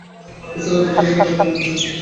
নিসার আলি বাক্যটি দ্বিতীয় বার বললেন।